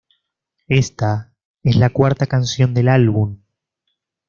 Esta es la cuarta canción del álbum.